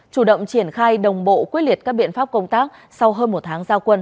chủ động triển khai đồng bộ quyết liệt các biện pháp công tác sau hơn một tháng giao quân